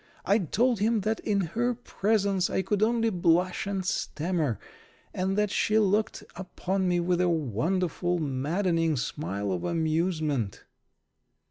I told him that in her presence I could only blush and stammer, and that she looked upon me with a wonderful, maddening smile of amusement.